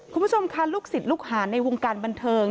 คุณผู้ชมค่ะลูกศิษย์ลูกหาในวงการบันเทิง